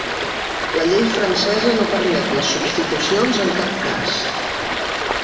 La llei francesa no permet les substitucions en cap cas.